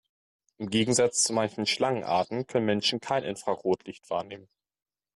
Im Gegensatz zu manchen Schlangenarten können Menschen kein Infrarotlicht wahrnehmen.